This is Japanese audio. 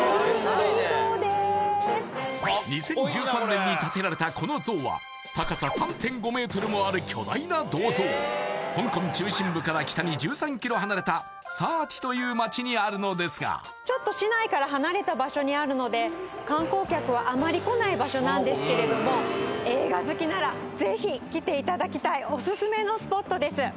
２０１３年に建てられたこの像はもある巨大な銅像香港中心部から北に１３キロ離れた沙田という街にあるのですがちょっと市内から離れた場所にあるので観光客はあまり来ない場所なんですけれども映画好きならぜひ来ていただきたいおすすめのスポットです